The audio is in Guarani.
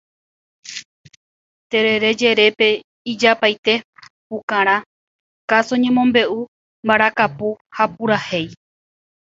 Terere jerépe ijapaite: pukarã, káso ñemombe'u, mbarakapu ha purahéi.